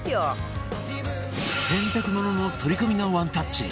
洗濯物の取り込みがワンタッチ！